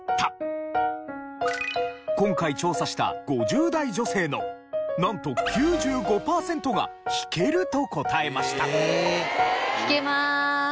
今回調査した５０代女性のなんと９５パーセントが弾けると答えました。